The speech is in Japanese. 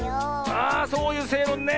あそういうせいろんね。